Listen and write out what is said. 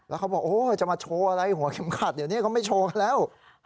แล้วเขาบอกโอ้จะมาโชว์อะไรหัวเข็มขัดเดี๋ยวนี้เขาไม่โชว์กันแล้ว